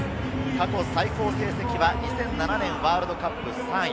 過去最高成績は２００７年ワールドカップ、３位。